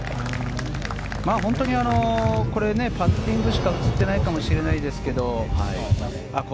本当にパッティングしか映っていないかもしれないですけど。